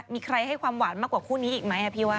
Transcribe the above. มีใครให้ความหวานมากกว่าคู่นี้อีกไหมพี่ว่า